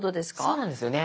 そうなんですよね。